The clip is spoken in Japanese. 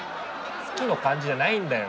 好きの感じじゃないんだよ！